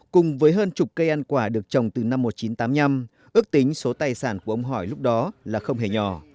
cùng với hơn chục cây ăn quả được trồng từ năm một nghìn chín trăm tám mươi năm ước tính số tài sản của ông hỏi lúc đó là không hề nhỏ